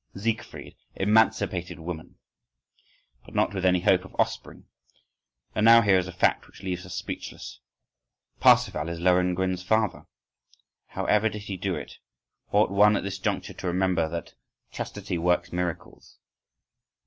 —Siegfried "emancipated woman"—but not with any hope of offspring.—And now here is a fact which leaves us speechless: Parsifal is Lohengrin's father! How ever did he do it?—Ought one at this juncture to remember that "chastity works miracles"?